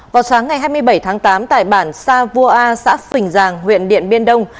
vào sáng ngày hai mươi bảy tháng tám tại bản sa vua a xã phình giàng huyện điện biên đông